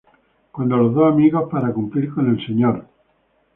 Cuando los dos amigos para cumplir con el Sr.